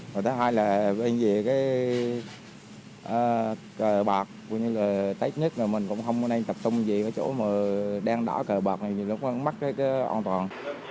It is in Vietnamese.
và thứ hai là vì cái cờ bạc tết nhất mình cũng không có nên tập trung gì vào chỗ đen đỏ cờ bạc này thì nó cũng không mắc tới cái an toàn